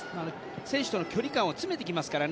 選手たちとの距離も詰めてきますからね